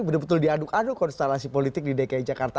benar benar diaduk aduk konstalasi politik di dki jakarta